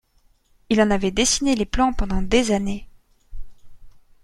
Il en avait dessiné les plans pendant des années.